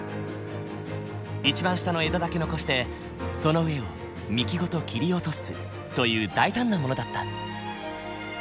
一番下の枝だけ残してその上を幹ごと切り落とすという大胆なものだった。